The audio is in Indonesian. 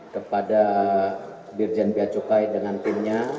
kepada birjen biacukai dengan timnya